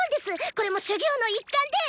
これも修業の一環で。